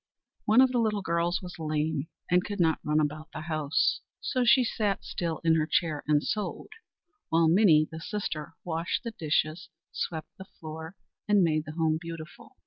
One of the little girls was lame, and could not run about the house; so she sat still in her chair, and sewed, while Minnie, the sister, washed the dishes, swept the floor, and made the home beautiful.